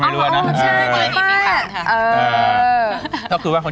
แม่บ้านประจันบัน